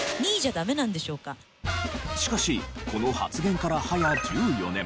しかしこの発言から早１４年。